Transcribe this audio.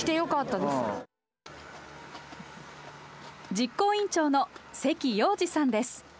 実行委員長の關洋二さんです。